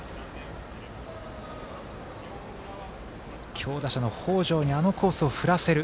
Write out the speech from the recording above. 強打者の北條にあのコースを振らせる。